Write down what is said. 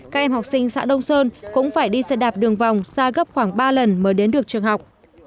các em học sinh xã đông sơn cũng phải đi xe đạp đường vòng xa gấp khoảng ba lần mới đến được trường học